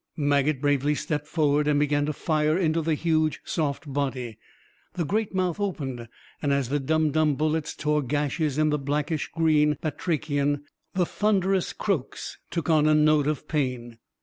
Maget bravely stepped forward, and began to fire into the huge, soft body. The great mouth opened, and as the dum dum bullets tore gashes in the blackish green batrachian, the thunderous croaks took on a note of pain.